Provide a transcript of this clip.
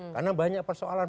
karena banyak persoalan